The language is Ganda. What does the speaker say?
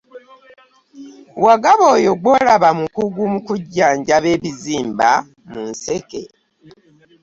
Wagaba oyo gw'olaba mukugu mu kujjanjaba ebizimba mu nseke.